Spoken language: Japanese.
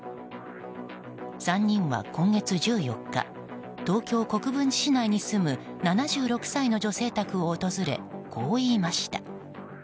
３人は今月１４日東京・国分寺市内に住む７６歳の女性宅を訪れこう言いました。